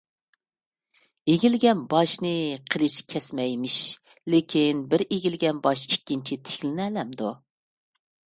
ئېگىلگەن باشنى قىلىچ كەسمەيمىش. لېكىن، بىر ئېگىلگەن باش ئىككىنچى تىكلىنەلەمدۇ؟